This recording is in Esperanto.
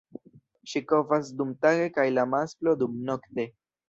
Ŝi kovas dumtage kaj la masklo dumnokte.